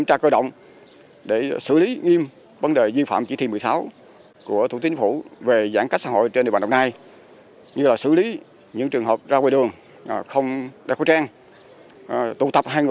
theo chỉ thị một mươi sáu của thủ tướng chính phủ